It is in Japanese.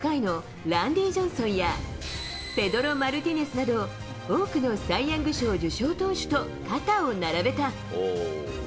サイ・ヤング賞５回のランディ・ジョンソンや、ペドロ・マルティネスなど、多くのサイ・ヤング賞受賞投手と肩を並べた。